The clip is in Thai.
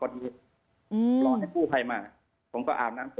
พอที่ตำรวจเขามาขอ